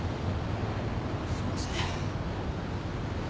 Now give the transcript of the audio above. すいません。